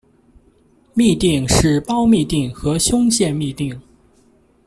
嘧啶是胞嘧啶和胸腺嘧啶。